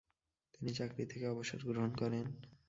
তিনি চাকরি থেকে অবসর গ্রহণ করেন।